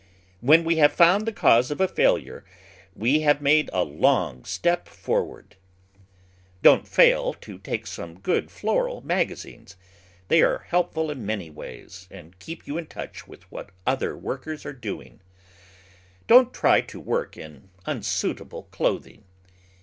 When we have found the cause of failure, we have made a long step forward. Don't fail to take some good floral magazines, they are helpful in many ways, and keep you in touch with what other workers are doing. Don't try to work in unsuitable clothing.